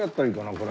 これ。